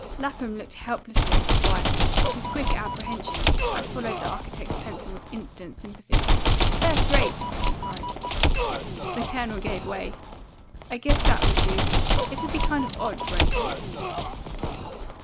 Lapham looked helplessly at his wife, whose quicker apprehension had followed the architect's pencil with instant sympathy. "First rate!" she cried. The Colonel gave way. "I guess that would do. It'll be kind of odd, won't it?"